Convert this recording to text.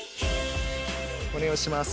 お願いします！